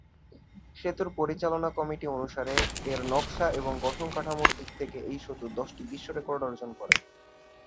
সেতুর পরিচালনা কমিটি অনুসারে, এর নকশা এবং গঠন কাঠামোর দিক থেকে এই সেতু দশটি বিশ্ব রেকর্ড অর্জন করে।